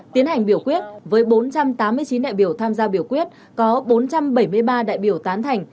tiến hành biểu quyết với bốn trăm tám mươi chín đại biểu tham gia biểu quyết có bốn trăm bảy mươi ba đại biểu tán thành